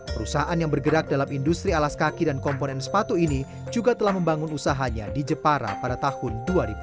perusahaan yang bergerak dalam industri alas kaki dan komponen sepatu ini juga telah membangun usahanya di jepara pada tahun dua ribu dua